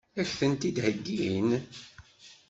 Ad k-tent-id-heggin?